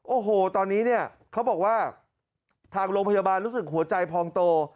โอ้โหตอนนี้เนี่ยเขาบอกว่าทางโรงพยาบาลรู้สึกหัวใจพองโต